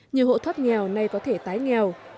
nhiều hộ thất nghèo nay có thể tái nghèo